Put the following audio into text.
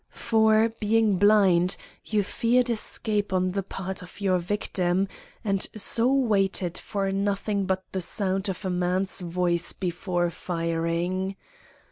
For, being blind, you feared escape on the part of your victim, and so waited for nothing but the sound of a man's voice before firing.